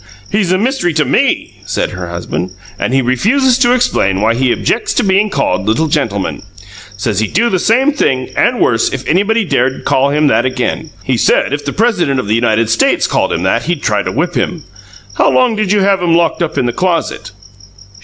"He's a mystery to ME!" said her husband. "And he refuses to explain why he objects to being called 'little gentleman.' Says he'd do the same thing and worse if anybody dared to call him that again. He said if the President of the United States called him that he'd try to whip him. How long did you have him locked up in the closet?"